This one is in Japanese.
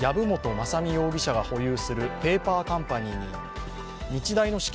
雅巳容疑者が保有するペーパーカンパニーに日大の資金